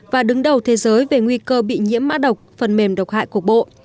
và đứng đầu thế giới về nguy cơ bị nhiễm mã độc phần mềm độc hại cuộc bộ